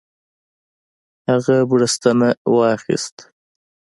هغه بړستنه واخیست.